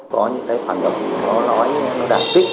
có những cái phản động nó nói đảng tích